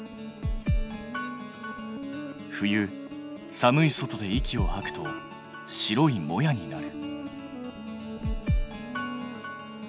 冬寒い外で息をはくと白いモヤになる。